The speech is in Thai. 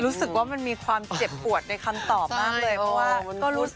รู้สึกว่ามันมีความเจ็บปวดในคำตอบมันครับเลย